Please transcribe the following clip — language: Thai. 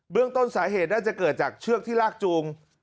ต้นสาเหตุน่าจะเกิดจากเชือกที่ลากจูง